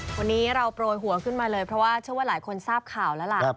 วันนี้เราโปรยหัวขึ้นมาเลยเพราะว่าเชื่อว่าหลายคนทราบข่าวแล้วล่ะ